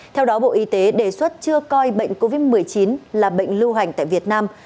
theo đó bộ y tế đề xuất chưa coi bệnh covid một mươi chín là bệnh lưu hành tại việt nam